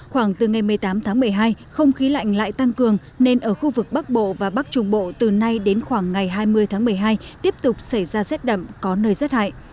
khoảng từ ngày một mươi tám tháng một mươi hai không khí lạnh lại tăng cường nên ở khu vực bắc bộ và bắc trung bộ từ nay đến khoảng ngày hai mươi tháng một mươi hai tiếp tục xảy ra rét đậm có nơi rét hại